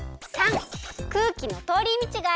③くうきのとおりみちがあるから。